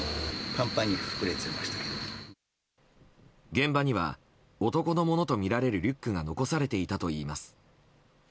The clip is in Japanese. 現場には男のものとみられるリュックが残されていたといいます。